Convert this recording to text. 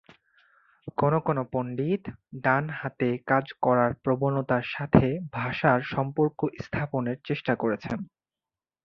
কোন কোন পণ্ডিত ডান হাতে কাজ করার প্রবণতার সাথে ভাষার সম্পর্ক স্থাপনের চেষ্টা করেছেন।